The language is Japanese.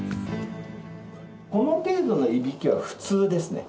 この程度のいびきは普通ですね。